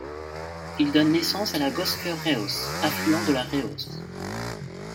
Il donne naissance à la Göscher Reuss, affluent de la Reuss.